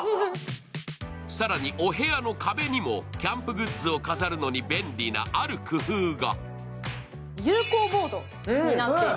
更にお部屋の壁にもキャンプグッズを飾るのに便利なある工夫が。